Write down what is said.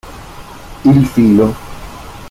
Il filo